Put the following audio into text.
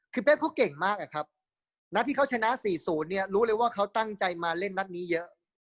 คือเป้เขาเก่งมากอะครับนัดที่เขาชนะ๔๐เนี่ยรู้เลยว่าเขาตั้งใจมาเล่นนัดนี้เยอะ